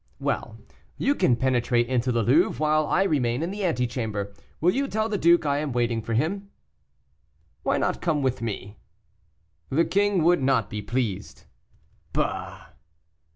"Well, you can penetrate into the Louvre, while I remain in the ante chamber; will you tell the duke I am waiting for him?" "Why not come in with me?" "The king would not be pleased." "Bah!"